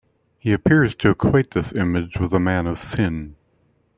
He appears to equate this image with the Man of Sin.